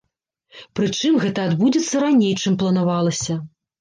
Прычым, гэта адбудзецца раней, чым планавалася.